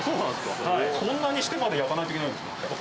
そんなにしてまで焼かないといけないんですか？